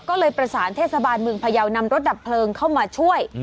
ก็เลยประสานเทศบาลเมืองพยาวนำรถดับเพลิงเข้ามาช่วย